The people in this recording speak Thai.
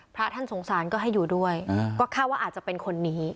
พระท่านสงสารก็ให้อยู่ด้วยก็คาดว่าอาจจะเป็นคนนี้